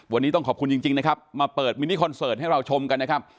วันนี้ต้องขอบคุณจริงนะครับมาเปิดมินิคอนเสิร์ตให้เราชมกันนะครับ